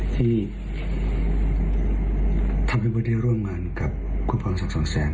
ที่ทำให้เบิร์ตได้ร่วมงานกับคุณพรศักดิ์สองแสง